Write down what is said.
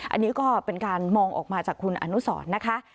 อันนี้ก็เป็นการมองออกมาจากคุณอนุสรนะคะ